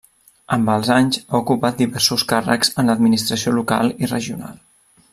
Amb els anys ha ocupat diversos càrrecs en l'administració local i regional.